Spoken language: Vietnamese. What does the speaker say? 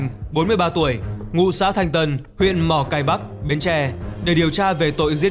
chính thị kim thành bốn mươi ba tuổi ngụ xã thanh tân huyện mỏ cài bắc bến tre để điều tra về tội giết